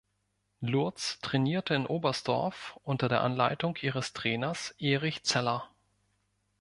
Lurz trainierte in Oberstdorf unter der Anleitung ihres Trainers Erich Zeller.